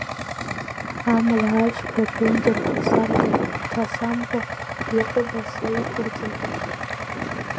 Амала ашәқәеи аԥенџьырқәеи саркьа рҭасамкәа иҟәыбаса иқәырҵеит.